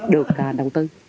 được đầu tư